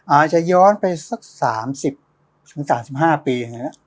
อาจจะย้อนไปสัก๓๐๓๕ปี